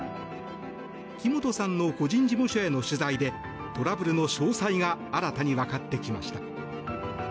木本さんの個人事務所への取材でトラブルの詳細が新たにわかってきました。